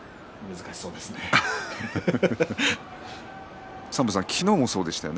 難しそうですね。